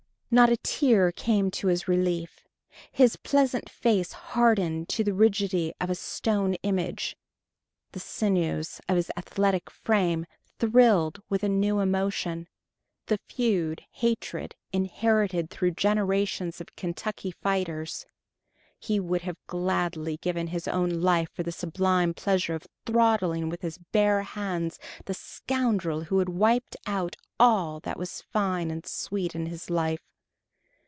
Not a tear came to his relief. His pleasant face hardened to the rigidity of a stone image. The sinews of his athletic frame thrilled with a new emotion the feud hatred inherited through generations of Kentucky fighters. He would have gladly given his own life for the sublime pleasure of throttling with his bare hands the scoundrel who had wiped out all that was fine and sweet in his life.